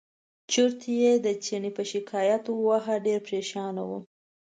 چورت یې د چڼي په شکایت وواهه ډېر پرېشانه و.